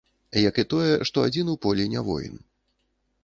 Як і тое, што адзін у полі не воін.